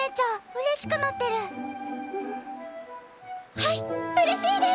はいうれしいです！